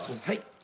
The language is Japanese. はい？